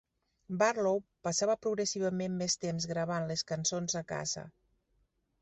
Barlow passava progressivament més temps gravant les cançons a casa.